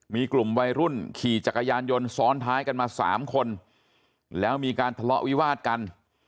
มีกลุ่มวัยรุ่นขี่จักรยานยนต์ซ้อนท้ายกันมา๓คนแล้วมีการทะเลาะวิวาดกัน